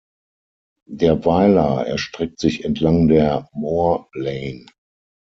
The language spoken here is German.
Der Weiler erstreckt sich entlang der Moor Lane.